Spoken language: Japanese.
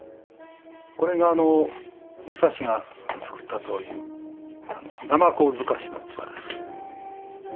これが武蔵が作ったという海鼠透のつばです。